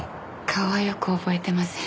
顔はよく覚えてません。